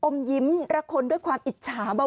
ยิ้มรักคนด้วยความอิจฉาเบา